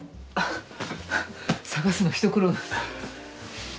捜すの一苦労だ。